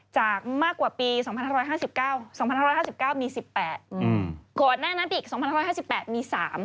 จากมากกว่าปี๒๕๕๙๒๕๕๙มี๑๘โกรธหน้านั้นอีก๒๕๕๘มี๓